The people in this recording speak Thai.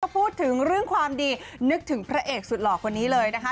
พูดถึงเรื่องความดีนึกถึงพระเอกสุดหล่อคนนี้เลยนะคะ